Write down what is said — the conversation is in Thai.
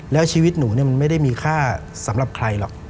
แล้วชีวิตหนูมันไม่ได้มีค่าสำหรับใครหรอก